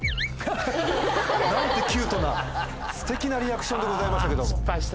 何てキュートなステキなリアクションでございましたけど。